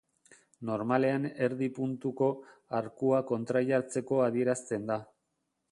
Normalean erdi puntuko arkua kontrajartzeko adierazten da.